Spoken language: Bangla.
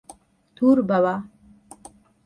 ধুর, বাবা।